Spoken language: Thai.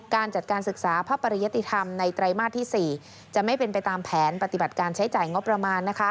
การจัดการศึกษาพระปริญญาติธรรม